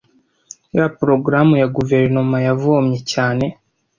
ya porogaramu ya Guverinoma yavomye cyane